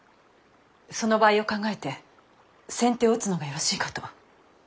その場合を考えて先手を打つのがよろしいかと。